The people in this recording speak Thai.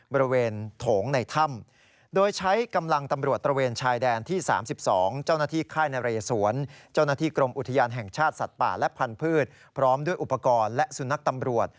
บริเวณโถงในถ้ำ